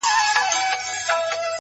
زما هيله زما د وجود هر رگ کي بهېږي!